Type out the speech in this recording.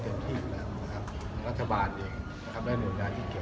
ตรงนี้ละครอบของ๕๐๐๐๐๐๐๐๐ชาติเราก็